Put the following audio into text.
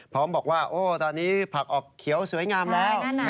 พร้อมบอกว่าโอ้ตอนนี้ผักออกเขียวสวยงามแล้ว